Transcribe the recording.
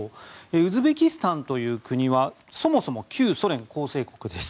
ウズベキスタンという国はそもそも旧ソ連構成国です。